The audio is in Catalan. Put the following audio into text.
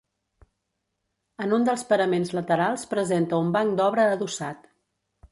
En un dels paraments laterals presenta un banc d'obra adossat.